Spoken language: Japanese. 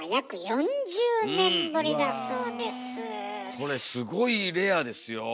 これすごいレアですよ。